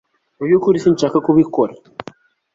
Mu byukuri sinshaka kubikora